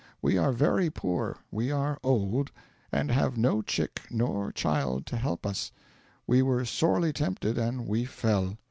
We are very poor, we are old, and, have no chick nor child to help us; we were sorely tempted, and we fell.